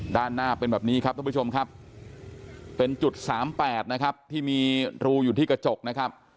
ด้านหน้าเป็นแบบนี้ครับท่านผู้ชมครับเป็นจุด๓๘นะครับที่มีรูอยู่ที่กระจกนะครับ